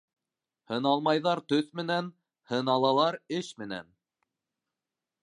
Һыналмайҙар төҫ менән, һыналалар эш менән.